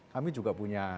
kami juga punya